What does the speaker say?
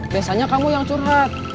biasanya kamu yang curhat